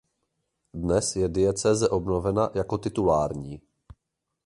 Dnes je diecéze obnovena jako titulární.